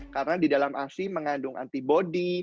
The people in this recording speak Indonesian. karena di dalam asi mengandung antibody